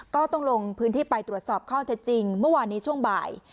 ก็ต้องลงพื้นที่ไปตรวจสอบข้อเท็จจริงเมื่อวานนี้ช่วงบ่าย